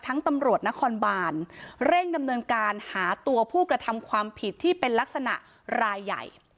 ตำรวจนครบานเร่งดำเนินการหาตัวผู้กระทำความผิดที่เป็นลักษณะรายใหญ่